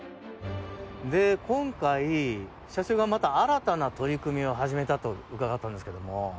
今回、新たな取り組みを始めたと伺ったんですけども。